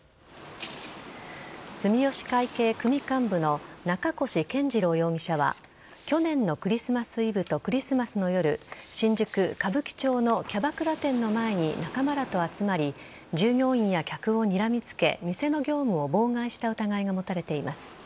住吉会系組幹部の中越健二郎容疑者は去年のクリスマスイブとクリスマスの夜新宿・歌舞伎町のキャバクラ店の前に仲間らと集まり従業員や客をにらみつけ店の業務を妨害した疑いが持たれています。